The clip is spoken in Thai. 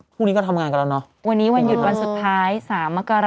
พรุ่งนี้ก็ทำงานกันแล้วเนอะวันนี้วันหยุดวันสุดท้ายสามมกราศ